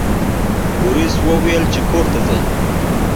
بوریس وویل چې کور ته ځئ.